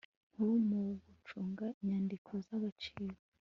Nkuru mu gucunga inyandiko z agaciro